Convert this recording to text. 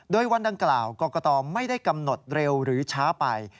โดยวันดังกล่าวกรกตไม่ได้กำหนดเร็วหรือช้าไป